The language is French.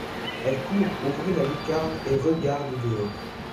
Elle court ouvrir la lucarne et regarde au dehors.